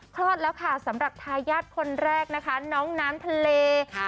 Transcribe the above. อดแล้วค่ะสำหรับทายาทคนแรกนะคะน้องน้ำทะเล